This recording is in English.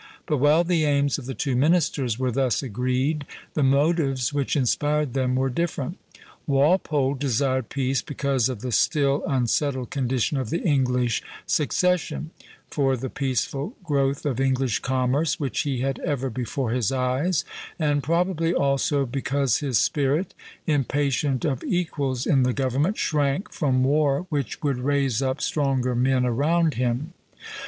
But while the aims of the two ministers were thus agreed, the motives which inspired them were different. Walpole desired peace because of the still unsettled condition of the English succession; for the peaceful growth of English commerce, which he had ever before his eyes; and probably also because his spirit, impatient of equals in the government, shrank from war which would raise up stronger men around him.